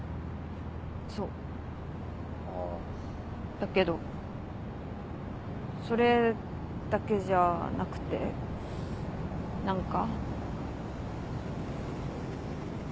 だけどそれだけじゃなくて何か。